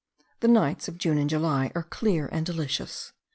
The nights of June and July are clear and delicious.